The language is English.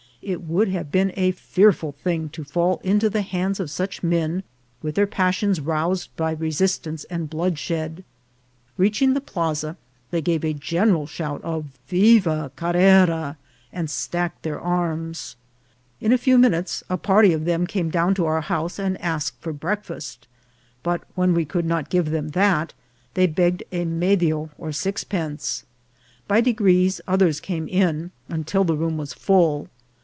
It would have been a fearful thing to fall into the hands of such men, with their pas sions roused by resistance and bloodshed. Reaching the plaza, they gave a general shout of " Viva Carrera,'* and stacked their arms. In a few minutes a party of them came down to our house and asked for breakfast ; and when we could not give them that, they begged a medio or sixpence. By degrees others came in, until the room was full.